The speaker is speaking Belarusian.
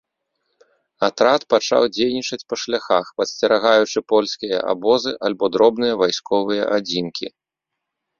Атрад пачаў дзейнічаць па шляхах, падсцерагаючы польскія абозы альбо дробныя вайсковыя адзінкі.